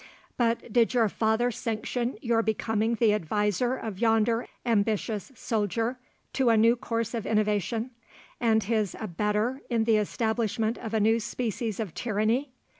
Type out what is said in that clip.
But did your father sanction your becoming the adviser of yonder ambitious soldier to a new course of innovation, and his abettor in the establishment of a new species of tyranny?